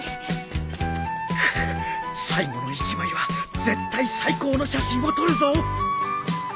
くっ最後の１枚は絶対最高の写真を撮るぞ